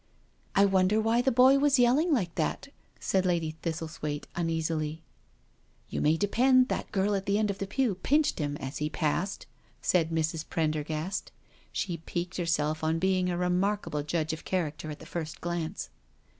" I wonder why the boy was yelling like that/' said Lady Thistlethwaite uneasily. " You may depend that girl at the end of the pew pinched him as he passed/' said Mrs. Prendergast. She peaked herself on being a remarkable judge of. character at the first glance.